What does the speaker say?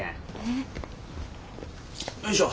よいしょ。